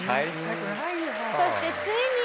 「そしてついに」